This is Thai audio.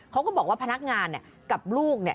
เขาก็บอกว่าพนักงานกับลูก